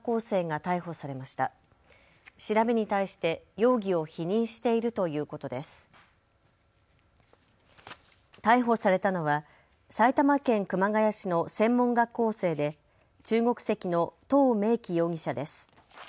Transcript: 逮捕されたのは埼玉県熊谷市の専門学校生で中国籍のとう鳴き容疑者です。